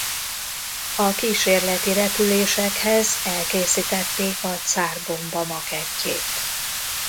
A kísérleti repülésekhez elkészítették a Cár-bomba makettjét.